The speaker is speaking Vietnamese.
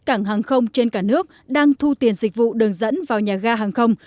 hai mươi một cảng hàng không trên cả nước đang thu tiền dịch vụ đường dẫn vào nhà ga hàng không